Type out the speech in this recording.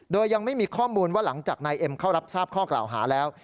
โดยยังไม่มีข้อมูลว่าหลังจากนายเอ็มเข้ารับทราบข้อกล่าวหาแล้ว